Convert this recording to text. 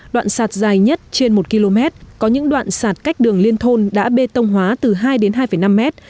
đoạn sạt dài nhất trên một km có những đoạn sạt cách đường liên thôn đã bê tông hóa từ hai đến hai năm mét